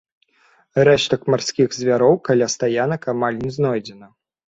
Рэштак марскіх звяроў каля стаянак амаль не знойдзена.